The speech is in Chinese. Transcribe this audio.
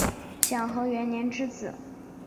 享和元年之子。